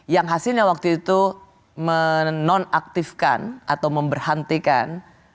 yang hasilnya waktu itu menonaktifkan atau memberhentikan